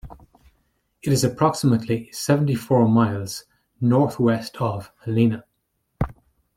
It is approximately seventy-four miles northwest of Helena.